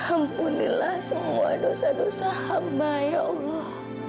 alhamdulillah semua dosa dosa hamba ya allah